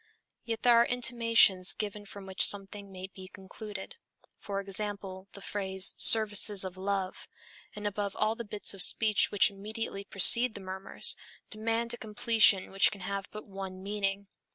Yet there are intimations given from which something may be concluded. For example, the phrase "services of love," and above all the bits of speech which immediately precede the murmurs, demand a completion which can have but one meaning.